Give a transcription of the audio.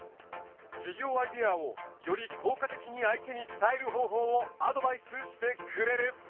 事業アイデアをより効果的に相手に伝える方法をアドバイスしてくれる。